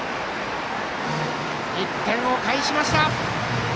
１点を返しました！